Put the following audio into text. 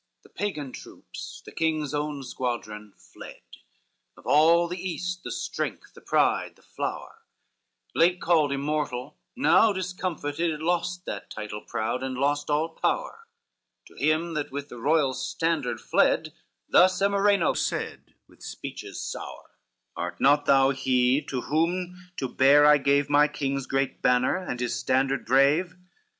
CIX The Pagan troops, the king's own squadron fled, Of all the east, the strength, the pride, the flower, Late called Immortal, now discomfited, It lost that title proud, and lost all power; To him that with the royal standard fled, Thus Emireno said, with speeches sour, "Art not thou he to whom to bear I gave My king's great banner, and his standard brave?